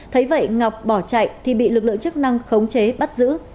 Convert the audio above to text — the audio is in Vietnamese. thấy vậy ngọc bỏ chạy thì bị lực lượng chức năng khống chế bắt giữ